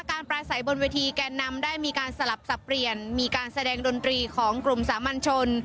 ปลาใสบนเวทีแกนนำได้มีการสลับสับเปลี่ยนมีการแสดงดนตรีของกลุ่มสามัญชน